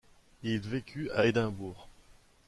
Il vécut à Édimbourg.